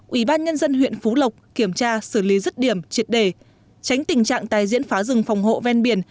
ubnd huyện phú lộc kiểm tra xử lý rứt điểm triệt đề tránh tình trạng tài diễn phá rừng phòng hộ ven biển